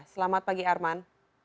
selamat pagi arman